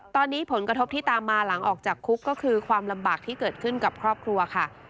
ตอนนี้ผลกระทบที่ตามมาหลังออกจากคุกก็คือความลำบากที่เกิดขึ้นกับครอบครัวค่ะ